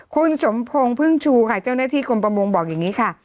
คุณสมพงศ์พึ่งชูค่ะเจ้าหน้าที่กรมประมงบอกอย่างนี้ค่ะ